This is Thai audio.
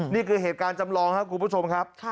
นี่คือเหตุการณ์จำลองครับคุณผู้ชมครับ